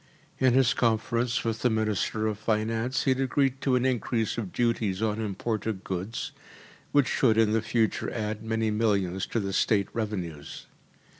In his conference with the Minister of Finance he had agreed to an increase of duties on imported goods, which should in the future add many millions to the State revenues.